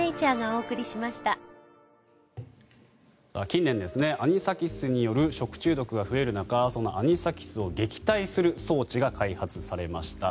近年、アニサキスによる食中毒が増える中そのアニサキスを撃退する装置が開発されました。